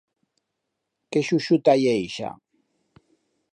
Que xuixuta ye ixa!